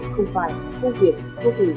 không phải vô việc vô tù